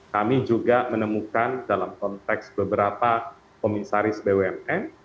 kami juga menemukan dalam konteks beberapa komisaris bumn